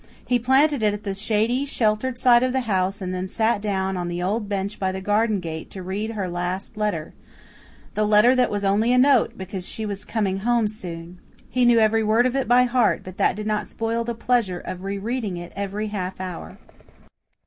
He planted it at the shady, sheltered side of the house and then sat down on the old bench by the garden gate to read her last letter the letter that was only a note, because she was coming home soon. He knew every word of it by heart, but that did not spoil the pleasure of re reading it every half hour.